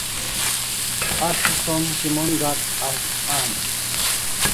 asi som kimon Gak an?